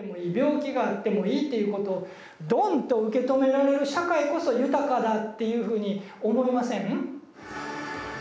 病気があってもいいっていうことをドンと受け止められる社会こそ豊かだっていうふうに思いません？